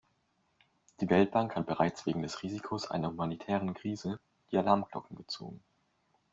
Die Weltbank hat bereits wegen des Risikos einer humanitären Krise die Alarmglocke gezogen.